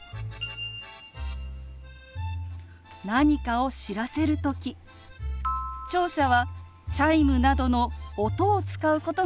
何かを知らせる時聴者はチャイムなどの音を使うことが多いですよね。